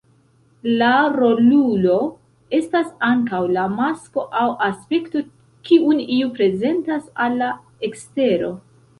La rolulo estas ankaŭ la masko aŭ aspekto kiun iu prezentas al la ekstero.